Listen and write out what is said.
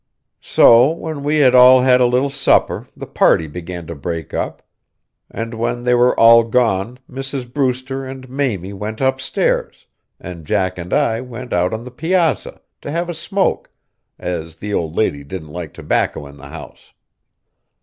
So when we had all had a little supper the party began to break up, and when they were all gone Mrs. Brewster and Mamie went upstairs, and Jack and I went out on the piazza, to have a smoke, as the old lady didn't like tobacco in the house.